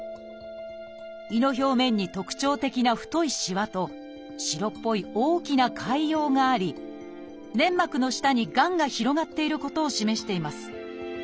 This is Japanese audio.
胃の表面に特徴的な太いしわと白っぽい大きな潰瘍があり粘膜の下にがんが広がっていることを示しています。